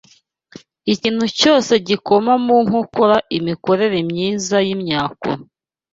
Ikintu cyose gikoma mu nkokora imikorere myiza y’imyakura